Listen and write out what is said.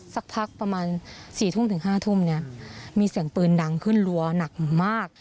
สักพักประมาณ๔ทุ่มถึง๕ทุ่มเนี่ยมีเสียงปืนดังขึ้นรัวหนักมาก